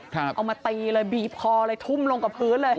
เอามาตีเลยบีบคอเลยทุ่มลงกับพื้นเลย